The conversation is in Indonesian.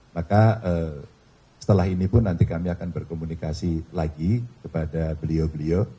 maka setelah ini pun nanti kami akan berkomunikasi lagi kepada beliau beliau